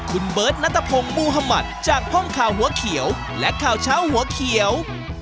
คุณเบิร์ดณภงมุฮมัตจากพ่อมข่าวหัวเขียวและข่าวเช้าหัวเขียว